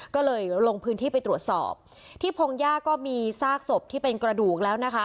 ก็เลยลงพื้นที่ไปตรวจสอบที่พงหญ้าก็มีซากศพที่เป็นกระดูกแล้วนะคะ